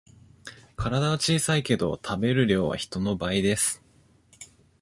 体は小さいけど食べる量は人の倍です